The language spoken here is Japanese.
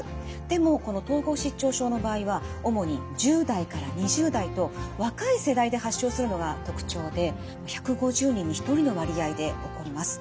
でもこの統合失調症の場合は主に１０代から２０代と若い世代で発症するのが特徴で１５０人に１人の割合で起こります。